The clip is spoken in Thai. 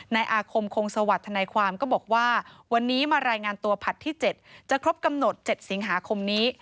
นายอาคมคงสวัสดิทนายความก็บอกว่าวันนี้มารายงานตัวผลัดที่๗จะครบกำหนด๗สิงหาคมนี้